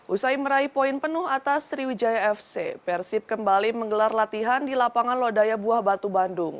usai meraih poin penuh atas sriwijaya fc persib kembali menggelar latihan di lapangan lodaya buah batu bandung